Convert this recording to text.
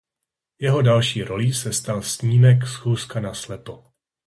Jeho další rolí se stal snímek "Schůzka naslepo".